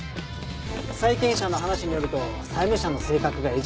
債権者の話によると債務者の性格が意地汚い。